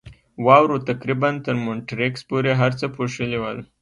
واورو تقریباً تر مونیټریکس پورې هر څه پوښلي ول.